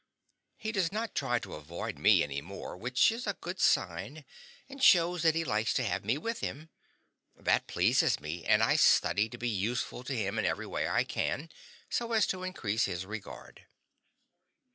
He does not try to avoid me any more, which is a good sign, and shows that he likes to have me with him. That pleases me, and I study to be useful to him in every way I can, so as to increase his regard.